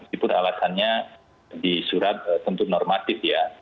itu alasannya disurat tentu normatif ya